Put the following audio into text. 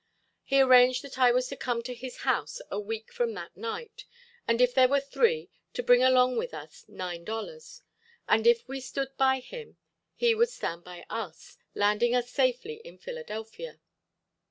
He arranged that I was to come to his house a week from that night, and if there were three to bring along with us nine dollars, and if we stood by him he would stand by us, landing us safely in Philadelphia.